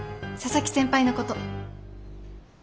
佐々木先輩のこと。